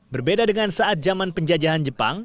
berbeda dengan saat zaman penjajahan jepang